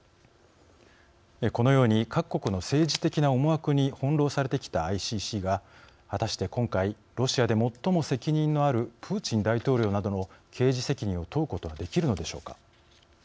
このように各国の政治的な思惑に翻弄されてきたＩＣＣが果たして今回ロシアで最も責任のあるプーチン大統領などの刑事責任を問うことはできるのでしょうか。